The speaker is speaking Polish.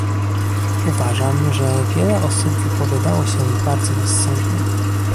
Uważam, że wiele osób wypowiadało się bardzo rozsądnie!